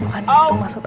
bukan itu maksud aku